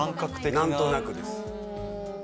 何となくです。